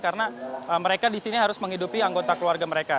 karena mereka di sini harus menghidupi anggota keluarga mereka